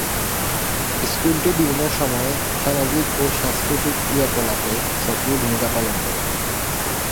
স্কুলটি বিভিন্ন সময়ে সামাজিক ও সাংস্কৃতিক ক্রিয়াকলাপে সক্রিয় ভূমিকা পালন করে।